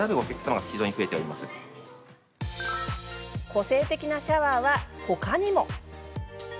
個性的なシャワーは他にも。